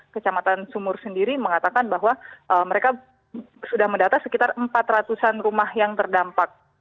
kecamatan sumur sendiri mengatakan bahwa mereka sudah mendata sekitar empat ratus an rumah yang terdampak